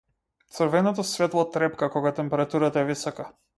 Црвеното светло трепка кога температурата е висока.